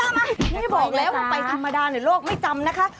ไม่บอกแล้วว่าไปธรรมดาเนี่ยโลกไม่จำนะคะ